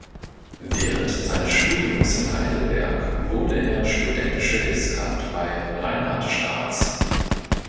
Während seines Studiums in Heidelberg wurde er studentische Hilfskraft bei Reinhart Staats.